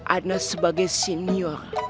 ana sebagai senior